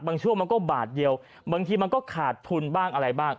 ช่วงมันก็บาทเดียวบางทีมันก็ขาดทุนบ้างอะไรบ้าง